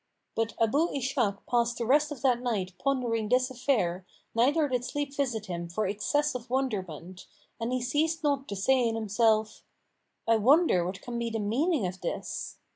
But Abu Ishak passed the rest of that night pondering this affair neither did sleep visit him for excess of wonderment, and he ceased not to say in himself, "I wonder what can be the meaning of this!"